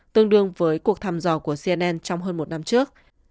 tương đương với cuộc thăm dò của cnn trong hơn một năm trước